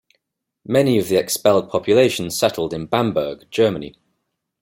Many of the expelled population settled in Bamberg, Germany.